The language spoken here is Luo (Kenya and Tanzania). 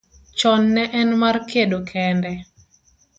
chon ne en mar kedo kende.